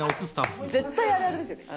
絶対あるあるですよね。